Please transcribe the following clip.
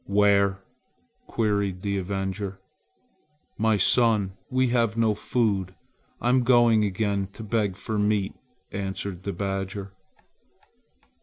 "Where?" queried the avenger. "My son, we have no food. I am going again to beg for meat," answered the badger.